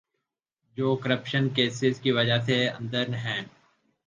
جو corruption cases کی وجہ سے اندر ہیں۔